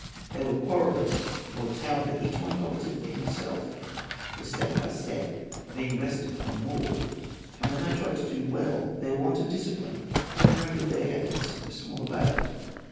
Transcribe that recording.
They were quarrelling while the power that each one coveted for himself was, step by step, being wrested from them all; and when they tried to do well their want of discipline often rendered their efforts of small avail.